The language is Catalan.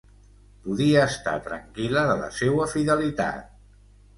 Podia estar tranquil·la de la seua fidelitat.